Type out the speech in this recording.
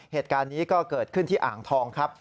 เหตุการณ์นี้ก็เกิดขึ้นที่อ่างทองครับ